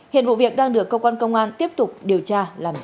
hiện vụ việc đang được cơ quan công an tiếp tục điều tra làm rõ